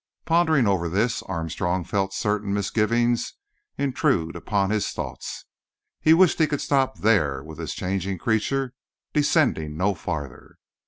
Pondering over this, Armstrong felt certain misgivings intrude upon his thoughts. He wished he could stop there with this changing creature, descending no farther.